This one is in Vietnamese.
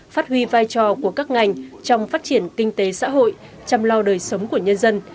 phát huy vai trò của các ngành trong phát triển kinh tế xã hội chăm lau đời sống của nhân dân